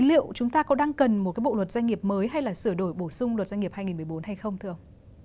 liệu chúng ta có đang cần một cái bộ luật doanh nghiệp mới hay là sửa đổi bổ sung luật doanh nghiệp hai nghìn một mươi bốn hay không thưa ông